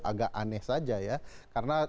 agak aneh saja ya karena